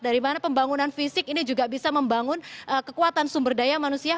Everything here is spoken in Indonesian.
dari mana pembangunan fisik ini juga bisa membangun kekuatan sumber daya manusia